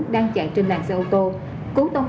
đang chạy trên làn xe ô tô